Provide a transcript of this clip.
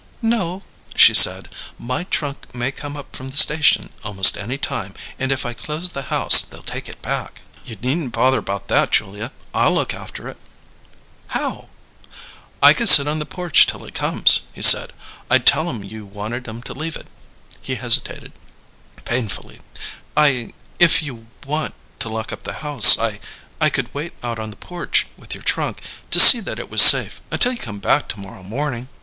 "No," she said. "My trunk may come up from the station almost any time, and if I close the house they'll take it back." "You needn't bother about that, Julia. I'll look after it." "How?" "I could sit on the porch till it comes," he said. "I'd tell 'em you wanted 'em to leave it." He hesitated, painfully. "I if you want to lock up the house I I could wait out on the porch with your trunk, to see that it was safe, until you come back to morrow morning."